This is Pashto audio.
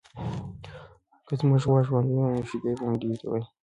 که زموږ غوا ژوندۍ وای، نو شیدې به مو ډېرې وای.